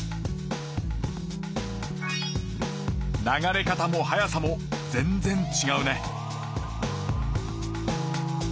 流れ方も速さも全然ちがうね。